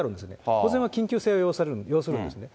保全は緊急性を要するんですね。